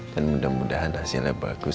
dan mudah mudahan hasilnya bagus